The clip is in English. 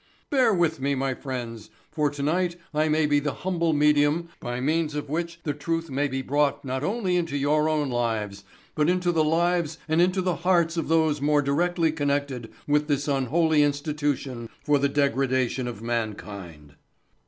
Bear with me, my friends, for tonight I may be the humble medium by means of which the truth may be brought not only into your own lives, but into the lives and into the hearts of those more directly connected with this unholy institution for the degradation of mankind."